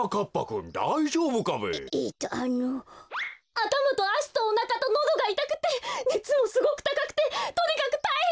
あたまとあしとおなかとのどがいたくてねつもすごくたかくてとにかくたいへんなんです！